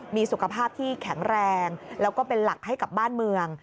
มีสุขภาพที่แข็งแรงแล้วก็เป็นหลักให้กับบ้านเมือง